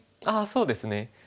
ああそうですね。